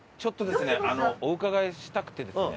お伺いしたくてですね。